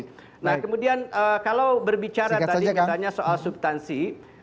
nah kemudian kalau berbicara tadi misalnya soal subtansi